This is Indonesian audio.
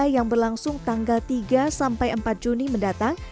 yang berlangsung tanggal tiga sampai empat juni mendatang